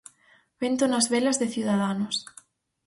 Vento nas velas de Ciudadanos.